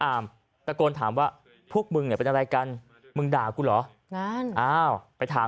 อามตะโกนถามว่าพวกมึงเนี่ยเป็นอะไรกันมึงด่ากูเหรอไปถาม